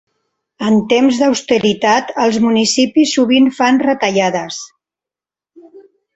En temps d'austeritat, els municipis sovint fan retallades.